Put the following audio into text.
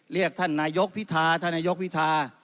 เรียกท่านนายกพิธาท่านนายกพิธา